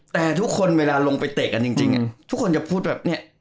แต่ทุกคนเวลาลงไปเตะกันจริงทุกคนจะพูดแบบเนี่ย